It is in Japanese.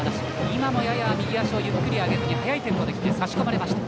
今もやや、右足をゆっくり上げず速いテンポできて差し込まれました。